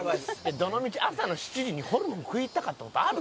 どのみち朝の７時にホルモン食いたかったことある？